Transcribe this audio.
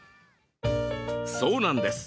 そうなんです。